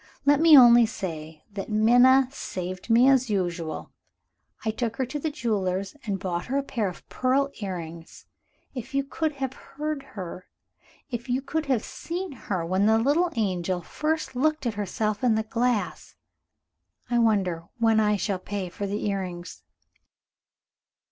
Let me only say that Minna saved me as usual. I took her to the jeweler's and bought her a pair of pearl earrings. If you could have heard her, if you could have seen her, when the little angel first looked at herself in the glass! I wonder when I shall pay for the earrings?